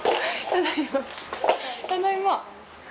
ただいま。